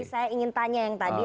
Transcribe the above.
saya ingin tanya yang tadi